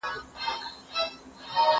درسونه لوستل کړه!.